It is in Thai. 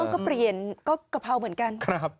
ก็เปลี่ยนก็กะเพราเหมือนกัน